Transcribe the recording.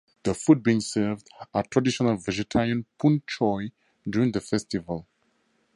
The food being served are traditional vegetarian poon choi during the festival.